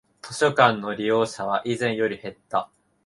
図書館の利用者は以前より減った